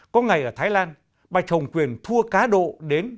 có ngày ở thái lan bạch hồng quyền thua cá độ đến một mươi đô la mỹ